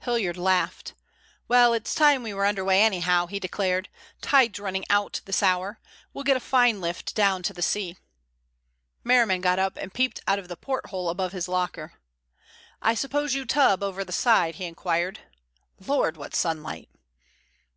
Hilliard laughed. "Well, it's time we were under way anyhow," he declared. "Tide's running out this hour. We'll get a fine lift down to the sea." Merriman got up and peeped out of the porthole above his locker. "I suppose you tub over the side?" he inquired. "Lord, what sunlight!"